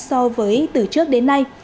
so với từ trước đến nay